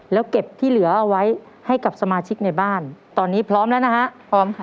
แล้วเก็บที่เหลือเอาไว้ให้กับสมาชิกในบ้านตอนนี้พร้อมแล้วนะฮะพร้อมค่ะ